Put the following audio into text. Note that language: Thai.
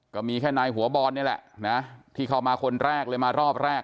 ก็มีแค่นายหัวบอลนี่แหละนะที่เข้ามาคนแรกเลยมารอบแรก